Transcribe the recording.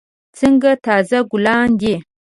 څنګه تازه ګلان دي.